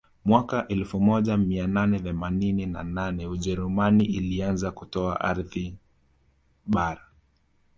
Mwaka elfu moja mia nane themanini na nane ujerumani ilianza kutoa ardhi bara